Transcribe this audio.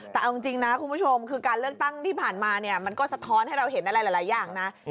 แต่เอาจริงนะคุณผู้ชมคือการเลือกตั้งที่ผ่านมาเนี่ยมันก็สะท้อนให้เราเห็นอะไรหลายอย่างนะ